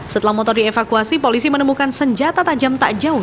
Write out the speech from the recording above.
setelah motor dievakuasi polisi menemukan senjata tajam tak jauh